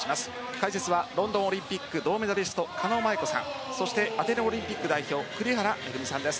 解説はロンドンオリンピック銅メダリスト狩野舞子さんそしてアテネオリンピック代表栗原恵さんです。